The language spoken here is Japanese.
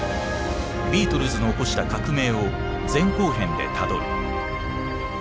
ビートルズの起こした革命を前・後編でたどる。